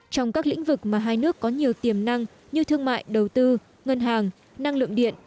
trong các lĩnh vực mà hai nước có nhiều tiềm năng như thương mại đầu tư ngân hàng năng lượng điện